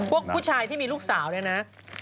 ผู้ชายที่มีลูกสาวเนี่ยนะ